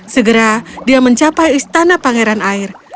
segera dia mencapai istana pangeran air